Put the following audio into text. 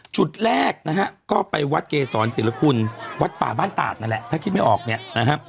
จุดแรกนะฮะก็ไปวัดเกษรศิลคุณวัดป่าบ้านตาดนั่นแหละถ้าคิดไม่ออกเนี่ยนะฮะ